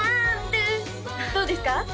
どうですか？